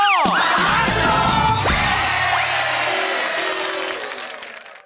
โอ้บัตเจ้า